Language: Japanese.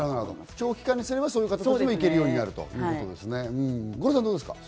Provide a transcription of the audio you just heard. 長期化すれば、そういう方も行けるようになるということですね、五郎さん。